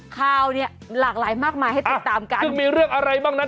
ข่าวเนี้ยหลากหลายมากมายให้ติดตามกันซึ่งมีเรื่องอะไรบ้างนั้น